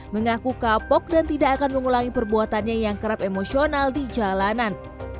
mengaku kapok dan tidak akan mengulangi perbuatannya yang kerap emosional di jalanan